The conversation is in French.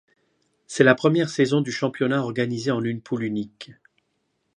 C'est la première saison du championnat organisé en une poule unique.